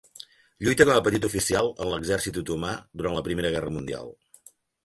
Lluita com a petit oficial en l'Exèrcit otomà durant la Primera Guerra Mundial.